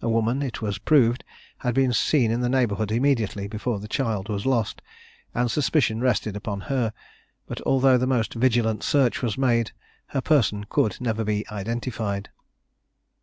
A woman, it was proved, had been seen in the neighbourhood immediately before the child was lost, and suspicion rested upon her; but although the most vigilant search was made, her person could never be identified.